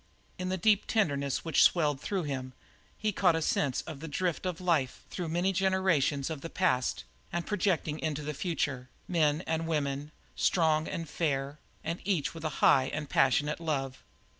In the deep tenderness which swelled through him he caught a sense of the drift of life through many generations of the past and projecting into the future, men and women strong and fair and each with a high and passionate love.